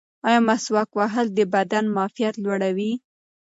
ایا مسواک وهل د بدن معافیت لوړوي؟